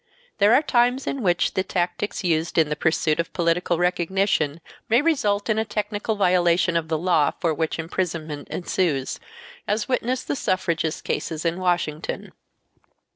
. "There are times in which the tactics used in the pursuit of political recognition may result in a technical violation of the law for which imprisonment ensues, as witness the suffragist cases in Washington